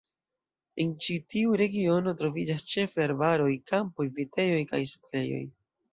En ĉi tiu regiono troviĝas ĉefe arbaroj, kampoj, vitejoj kaj setlejoj.